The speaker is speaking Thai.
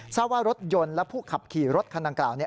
ทราบว่ารถยนต์และผู้ขับขี่รถคันดังกล่าว